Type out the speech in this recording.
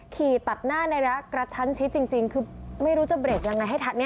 ขี่ตัดหน้าในระยะกระชั้นชิดจริงคือไม่รู้จะเบรกยังไงให้ทันเนี่ย